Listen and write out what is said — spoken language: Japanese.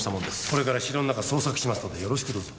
これから城の中捜索しますのでよろしくどうぞ。